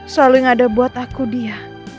selalu yang ada buat aku dia